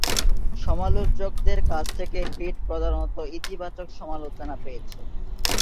সমালোচকদের কাছ থেকে হিট প্রধানত ইতিবাচক সমালোচনা পেয়েছে।